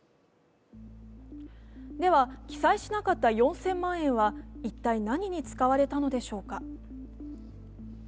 では、記載しなかった４０００万円は一体何に使われたのでしょうか。